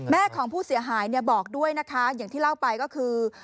ของผู้เสียหายเนี่ยบอกด้วยนะคะอย่างที่เล่าไปก็คือ